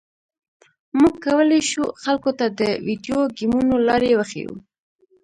موږ کولی شو خلکو ته د ویډیو ګیمونو لارې وښیو